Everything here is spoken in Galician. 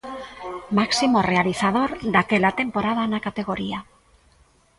Máximo realizador daquela temporada na categoría.